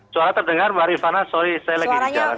suara terdengar mbak rifana sorry saya lagi bicara